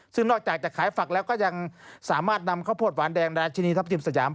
ซึ่งนอกจากจะขายฝักแล้วก็ยังสามารถนำข้าวโพดหวานแดงราชินีทัพทิมสยาม